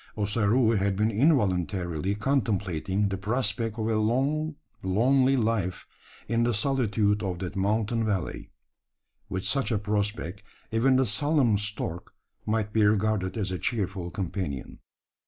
Ossaroo had been involuntarily contemplating the prospect of a long lonely life in the solitude of that mountain valley. With such a prospect even the solemn stork might be regarded as a cheerful companion.